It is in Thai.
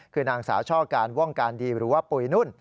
คือนางสาวช่อการว่องการดีหรือว่าปุ๋ยนุ่น